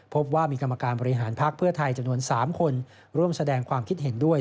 พบว่ามีกรรมการบริหารพักเพื่อไทยจำนวน๓คนร่วมแสดงความคิดเห็นด้วย